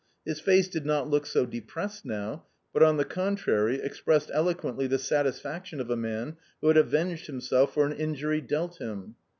His face did not look so depressed now, but, on the contrary, expressed eloquently the satisfaction of a man who had avenged himself for an injury dealt him.